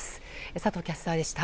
佐藤キャスターでした。